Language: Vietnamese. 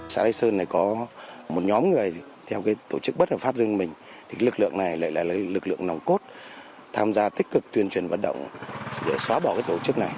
xã thái sơn này có một nhóm người theo tổ chức bất hợp pháp dân mình lực lượng này lại là lực lượng nồng cốt tham gia tích cực tuyên truyền vận động để xóa bỏ tổ chức này